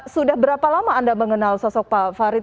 sudah berapa lama anda mengenal sosok pak farid